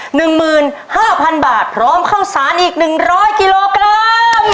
หนึ่งหมื่นห้าพันบาทพร้อมข้าวสารอีกหนึ่งร้อยกิโลกรัม